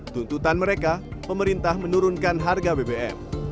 tuntutan mereka pemerintah menurunkan harga bbm